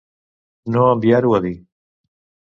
No enviar-ho a dir.